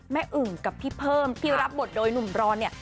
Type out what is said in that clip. แม่อึงกับพี่เพิ่มที่รับบทโดยหนุ่มร้อน